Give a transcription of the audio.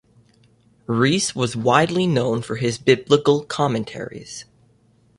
Rees was widely known for his biblical commentaries.